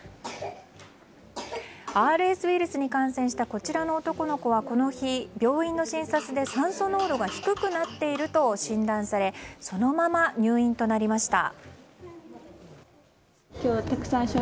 ＲＳウイルスに感染したこちらの男の子はこの日、病院の診察で酸素濃度が低くなっていると診断されそのまま入院となりました。